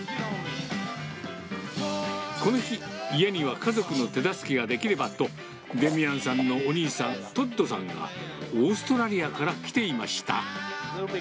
この日、家には家族の手助けができればと、デミアンさんのお兄さん、トッドさんが、オーストラリアから来ていました。